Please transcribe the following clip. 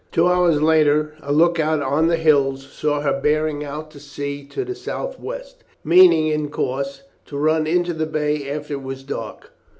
Two hours later a look out on the hills saw her bearing out to sea to the southwest, meaning, in course, to run into the bay after it was dark.